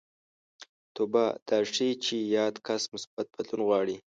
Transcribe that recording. توبه دا ښيي چې یاد کس مثبت بدلون غواړي